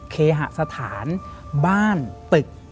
เคหสถานบ้านตึก